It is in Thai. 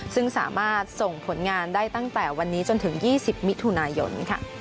ซึ่งสามารถส่งผลงานได้ตั้งแต่วันนี้จนถึง๒๐มิถุนายน